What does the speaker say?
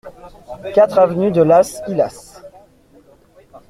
quatre avenue de Las Illas